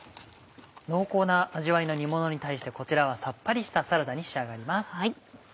濃厚な味わいの煮ものに対してこちらはさっぱりしたサラダに仕上がります。